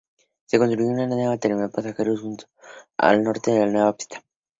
Se construyó una nueva terminal de pasajeros justo al norte de la nueva pista.